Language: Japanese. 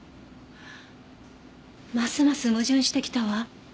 ますます矛盾してきたわ。